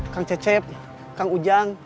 kang cecep kang ujang